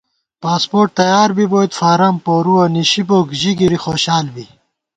پاسپوٹ تیار بِبوئیت فارم پورُوَہ، نِشی بوئیک ژی گِری خوشال بی